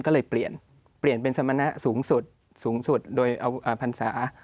ก็เลยเปลี่ยนเปลี่ยนเป็นสมณะสูงสุดสูงสุดโดยเอาพรรษา